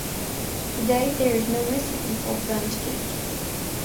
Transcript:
Today, there is no recipe for "Bundt cake".